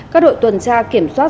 các đội tuần tra kiểm soát